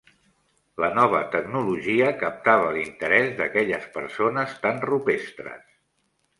La nova tecnologia captava l'interès d'aquelles persones tan rupestres.